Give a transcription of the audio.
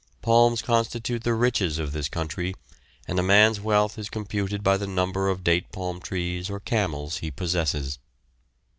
Palms constitute the riches of this country, and a man's wealth is computed by the number of date palm trees or camels he possesses.